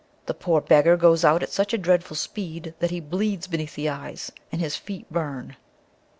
The poor beggar goes at such a dreadful speed that he bleeds beneath the eyes, and his feet burn."